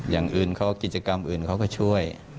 อย่างอื่นเขากิจกรรมอื่นเขาก็ช่วย